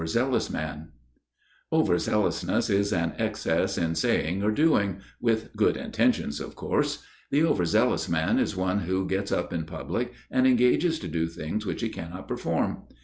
IV The Over zealous Man (Περιεργία) Over zealousness is an excess in saying or doing,—with good intentions, of course. The over zealous man is one who gets up in public and engages to do things which he cannot perform.